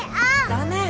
ダメ！